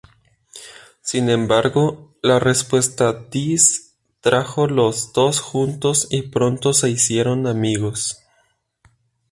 Sin embargo, la respuesta "diss" trajo los dos juntos y pronto se hicieron amigos.